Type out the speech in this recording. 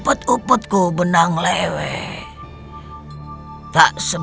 untuk memperbaiki kemampuan aku